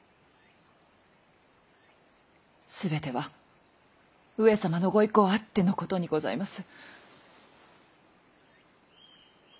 全ては上様のご威光あってのことにございます。